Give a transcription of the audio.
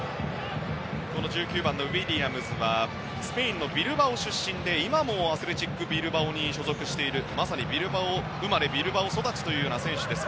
１９番のウィリアムズはスペインのビルバオ出身で今もアスレチック・ビルバオに所属しているまさにビルバオ生まれビルバオ育ちという選手です。